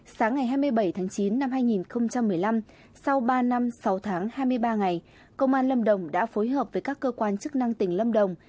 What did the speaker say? sáng ngày hai mươi bảy tháng chín năm hai nghìn một mươi năm sau ba năm sáu tháng hai mươi ba ngày công an lâm đồng đã phối hợp với các cơ quan chức năng tỉnh lâm đồng